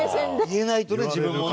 言えないとね自分もね